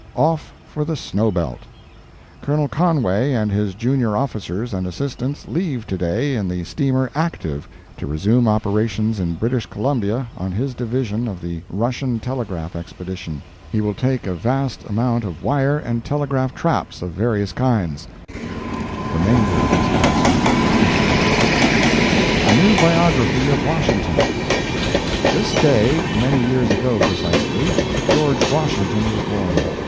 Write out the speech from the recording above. OFF FOR THE SNOW BELT Colonel Conway and his junior officers and assistants leave to day in the steamer Active to resume operations in British Columbia on his division of the Russian Telegraph expedition. He will take a vast amount of wire and telegraphic traps of various kinds [remainder of this passage is missing]. A NEW BIOGRAPHY OF WASHINGTON This day, many years ago precisely, George Washington was born.